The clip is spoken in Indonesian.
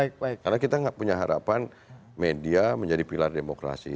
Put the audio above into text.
karena kita tidak punya harapan media menjadi pilar demokrasi